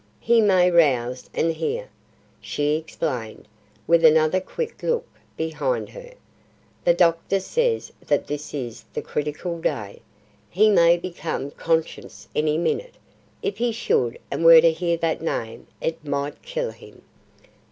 "He may rouse and hear," she explained, with another quick look behind her. "The doctor says that this is the critical day. He may become conscious any minute. If he should and were to hear that name, it might kill him."